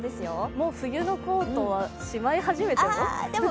もう冬のコートはしまい始めても？